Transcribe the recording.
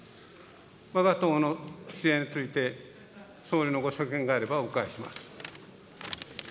わが党の姿勢について、総理のご所見があればお伺いします。